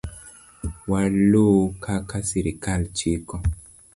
Waluw kaka sirkal chiko